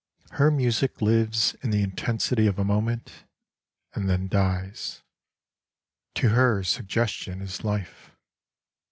Her music lives in the intensity of a moment, and then dies ; To her suggestion is life.